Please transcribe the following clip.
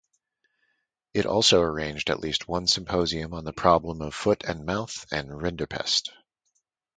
It also arranged at least one symposium on the problem of foot-and-mouth and rinderpest.